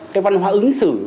cái văn hóa ứng xử